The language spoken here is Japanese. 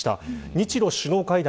日露首脳会談